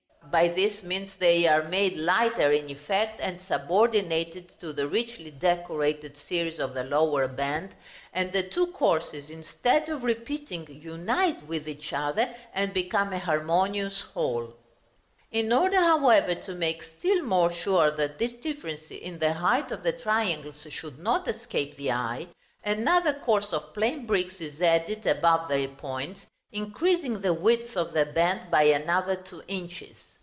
By this means they are made lighter in effect, and subordinated to the richly decorated series of the lower band, and the two courses, instead of repeating, unite with each other, and become a harmonious whole. [Illustration: Plate V. Archivolt in the Duomo of Murano.] In order, however, to make still more sure that this difference in the height of the triangles should not escape the eye, another course of plain bricks is added above their points, increasing the width of the band by another two inches.